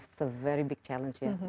itu adalah tantangan yang sangat besar ya